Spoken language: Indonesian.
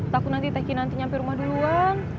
takut nanti tki nanti nyampe rumah duluan